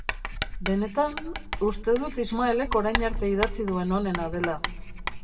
Benetan... uste dut Ismaelek orain arte idatzi duen onena dela.